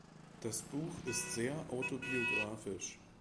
Das Buch ist sehr autobiographisch.